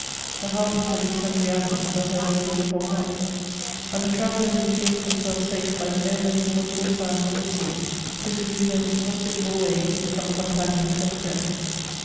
The bowlings of these hungry animals are heard through the whole night : and the tra veller only feels himself safe by the no less mournful sounds of the sea, whose rude and inhospitable waves become companions and friends.